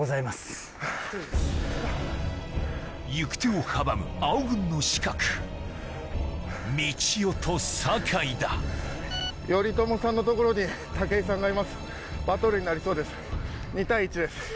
行く手を阻む青軍の刺客みちおと酒井だ頼朝さんのところに武井さんがいます。